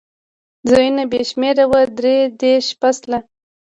ځایونه بې شمېره و، درې دېرشم فصل.